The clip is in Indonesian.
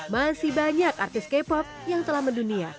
masih banyak artis k pop yang telah mendunia